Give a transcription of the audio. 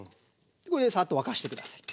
これでサッと沸かして下さい。